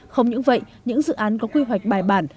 không những vậy những dự án có quy hoạch bài bản